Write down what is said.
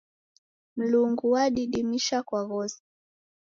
Mlungu wadidimisha kwa ghose.